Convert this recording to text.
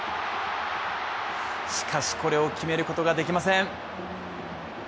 しかしこれを決めることができません。